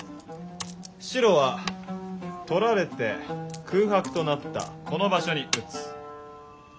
白は取られて空白となったこの場所に打つ。